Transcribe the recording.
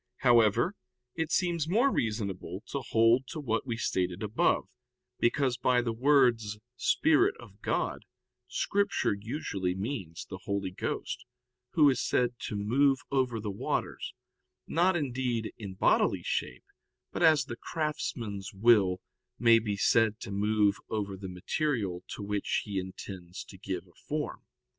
However, it seems more reasonable to hold to what we stated above; because by the words "Spirit of God" Scripture usually means the Holy Ghost, Who is said to "move over the waters," not, indeed, in bodily shape, but as the craftsman's will may be said to move over the material to which he intends to give a form.